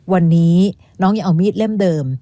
วันนี้น้องยังเอามีดเล่มเดิม